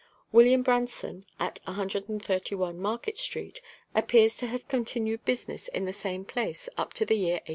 WILLIAM BRANSON, at 131 Market street, appears to have continued business in the same place up to the year 1810.